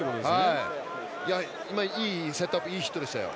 今、いいセットアップいいヒットでしたよ。